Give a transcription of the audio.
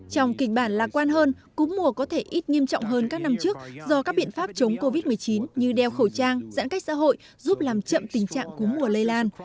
trong kịch bản lạc quan hơn cúm mùa có thể ít nghiêm trọng hơn các năm trước do các biện pháp chống covid một mươi chín như đeo khẩu trang giãn cách xã hội giúp làm chậm tình trạng cúm mùa lây lan